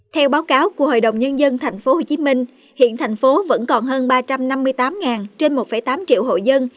theo báo cáo của hội đồng nhân dân tp hcm hiện thành phố vẫn còn hơn ba trăm năm mươi tám trên một tám triệu hộ dân